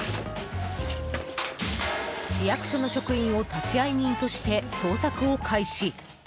市役所の職員を立ち会い人として捜索を開始。